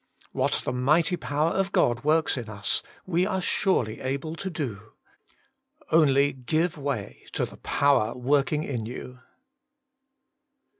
4. What the mighty power of God works In us we are surely able to do. Only give way to the power working in you.